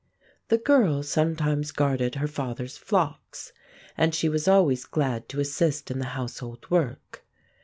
The girl sometimes guarded her father's flocks, and she was always glad to assist in the household work.